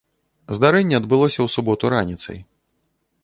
Здарэнне адбылося ў суботу раніцай.